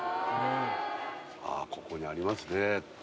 ここにありますね